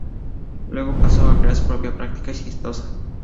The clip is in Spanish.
Luego pasó a crear su propia práctica exitosa.